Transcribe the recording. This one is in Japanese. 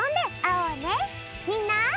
みんな！